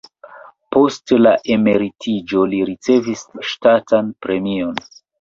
Post la emeritiĝo li ricevis ŝtatan premion.